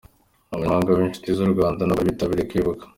Abanyamhanga b'inshuti z'u Rwanda nabo bari bitabiriye kwibuka .